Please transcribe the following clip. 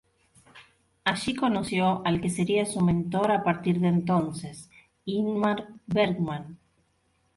Allí conoció al que sería su mentor a partir de entonces, Ingmar Bergman.